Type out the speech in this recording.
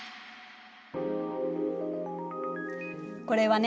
これはね